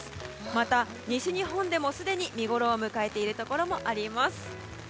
また、西日本でもすでに見ごろを迎えているところもあります。